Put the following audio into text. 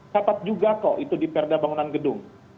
sapat juga kok itu diperda bangunan gedung